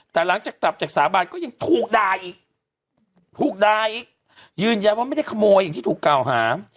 แต่หลังจากกลับจากสาบานก็ยังถูกด่าอีกถูกด่าอีกยืนยันว่าไม่ได้ขโมยอย่างที่ถูกกล่าวหา